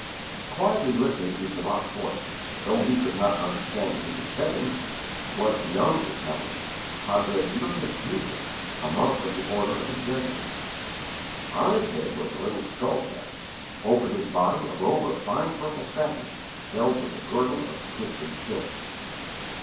Quietly listening to Sabat's voice though he could not understand what he was saying was a young Italian, Padre Julius Cæsar, a monk of the order of the Jesuits. On his head was a little skull cap, over his body a robe of fine purple satin held with a girdle of twisted silk.